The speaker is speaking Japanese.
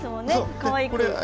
かわいく。